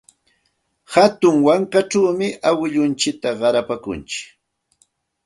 Hatun wankachawmi awkilluntsikta qarapaakuntsik.